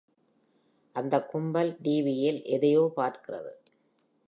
அந்தக் கும்பல் டிவியில் எதையோ பார்க்கிறது.